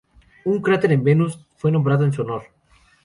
Un cráter en Venus fue nombrado en su honor.